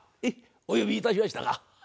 お呼びいたしましたか？